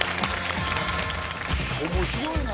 面白いね。